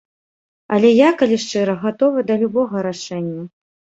Але я, калі шчыра, гатовы да любога рашэння.